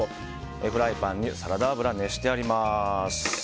フライパンにサラダ油を熱してあります。